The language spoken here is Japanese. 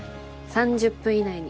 ３０分以内に。